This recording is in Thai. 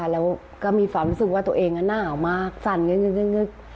แล้วก็มีความรู้สึกว่าตัวเองหนาวมากสั่นงึก